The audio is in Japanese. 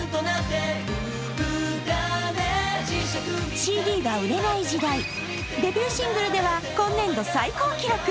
ＣＤが売れない時代、デビューシングルでは今年度最高記録。